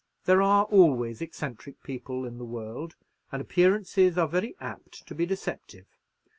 There are always eccentric people in the world, and appearances are very apt to be deceptive.